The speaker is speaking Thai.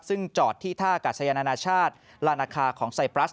ซึ่งจอดที่ท่ากาศยานานาชาติลานาคาของไซปรัส